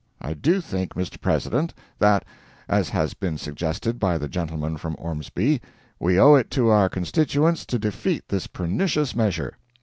I do think, Mr. President, that (as has been suggested by the gentleman from Ormsby) we owe it to our constituents to defeat this pernicious measure.